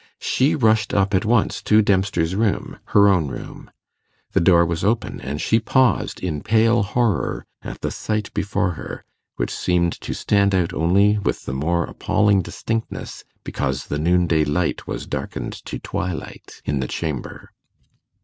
She rushed up at once to Dempster's room her own room. The door was open, and she paused in pale horror at the sight before her, which seemed to stand out only with the more appalling distinctness because the noonday light was darkened to twilight in the chamber.